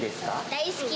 大好き！